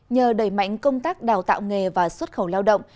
nhờ đẩy mạnh công tác đào tạo nghề và xuất khẩu lao động